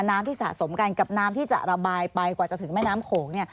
น้ำที่สะสมกันกับน้ำที่จะระบายไปกว่าจะถึงแม่น้ำโขงเนี่ย